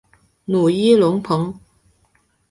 努伊隆蓬。